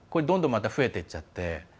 どんどん増えていっちゃって。